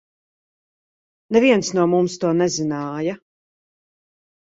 Neviens no mums to nezināja.